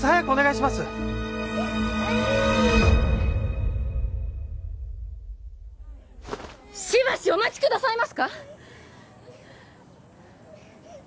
しばしお待ちくださいますか！